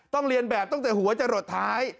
เรียนแบบตั้งแต่หัวจะหลดท้าย